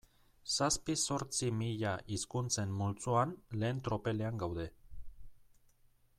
Zazpi-zortzi mila hizkuntzen multzoan lehen tropelean gaude.